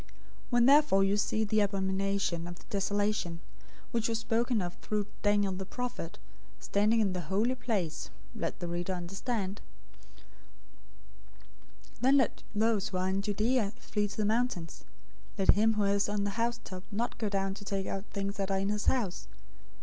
024:015 "When, therefore, you see the abomination of desolation,{Daniel 9:27; 11:31; 12:11} which was spoken of through Daniel the prophet, standing in the holy place (let the reader understand), 024:016 then let those who are in Judea flee to the mountains. 024:017 Let him who is on the housetop not go down to take out things that are in his house.